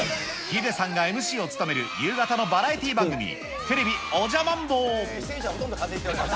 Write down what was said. ヒデさんがＭＣを務める夕方のバラエティー番組、ＴＶおじゃマンボウ。